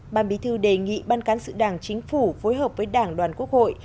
ban bí thư đề nghị ban cán sự đảng chính phủ phối hợp với đảng đoàn quốc hội